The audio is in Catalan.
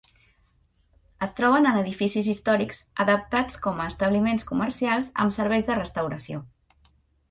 Es troben en edificis històrics adaptats com a establiments comercials amb serveis de restauració.